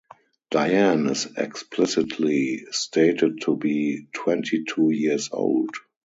Diane is explicitly stated to be twenty-two years old.